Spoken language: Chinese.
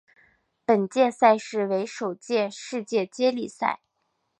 本届赛事为首届世界接力赛。